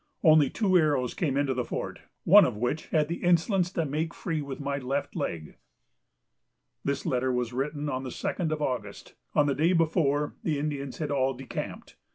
Only two arrows came into the fort, one of which had the insolence to make free with my left leg." This letter was written on the second of August. On the day before the Indians had all decamped.